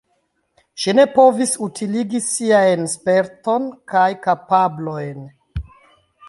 Ŝi ne povis utiligi siajn sperton kaj kapablojn.